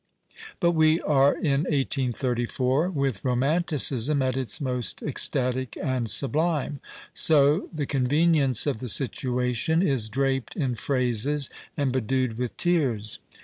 But we are in 183i, with romanticism at its most ecstatic and " sublime." So the convenience of the situation is draped in phrases and bedewed with tears.